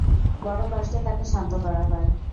বড় কষ্টে তাঁকে শান্ত করা হয়।